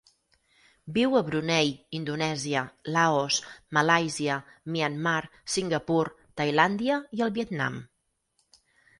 Viu a Brunei, Indonèsia, Laos, Malàisia, Myanmar, Singapur, Tailàndia i el Vietnam.